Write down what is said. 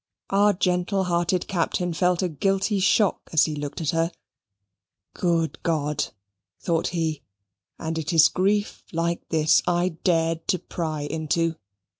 Our gentle hearted Captain felt a guilty shock as he looked at her. "Good God," thought he, "and is it grief like this I dared to pry into?"